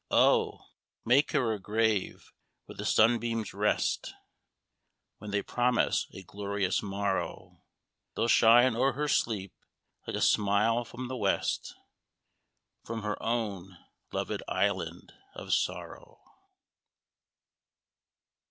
Oh! make her a grave where the sunbeams rest, When they promise a glorious morrow; They'll shine o'er her sleep, like a smile from the west, From her own loved island of sorrow!